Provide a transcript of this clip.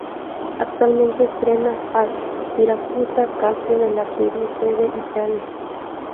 Actualmente entrena al Siracusa Calcio de la Serie C de Italia.